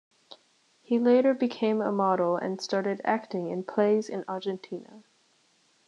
He later became a model and started acting in plays in Argentina.